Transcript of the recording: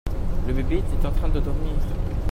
Le bébé était en train de dormir.